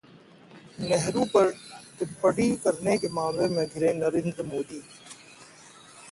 नेहरू पर टिप्पणी करने के मामले में घिरे नरेंद्र मोदी